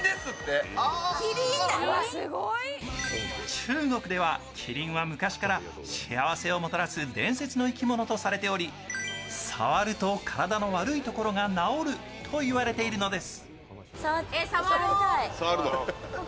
中国では麒麟は昔から幸せをもたらす伝説の生き物とされており触ると体の悪いところが治るといわれているのです。